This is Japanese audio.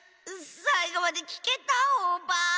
さいごまできけたオバ！